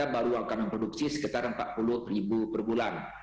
baru akan memproduksi sekitar empat puluh ribu per bulan